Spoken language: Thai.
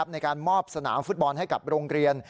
ในการมอบสนามฟุตบอลให้กับโรงเรียน